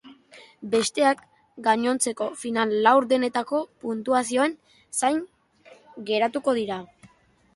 Besteak gainontzeko final laurdenetako puntuazioen zain geratuko dira.